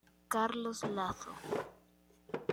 Carlos Lazo.